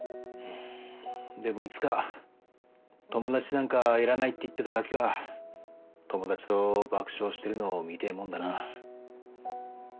でもいつか「友達なんかいらない」って言ってたガキが友達と爆笑してるのを見てえもんだな。